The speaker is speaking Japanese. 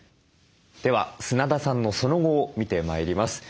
では砂田さんのその後を見てまいります。